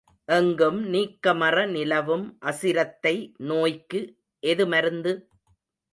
எங்கும் நீக்கமற நிலவும் அசிரத்தை நோய்க்கு ஏது மருந்து?